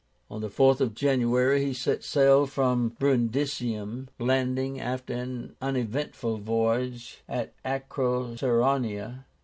On the 4th of January he set sail from Brundisium, landing after an uneventful voyage at Acroceraunia.